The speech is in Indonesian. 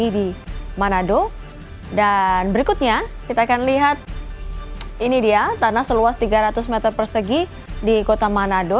dan berikutnya kita akan lihat tanah seluas tiga ratus meter persegi di manado